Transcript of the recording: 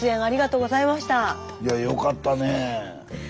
いやよかったね。